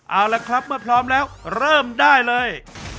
เอาละครับเมื่อพร้อมแล้วเริ่มได้เลย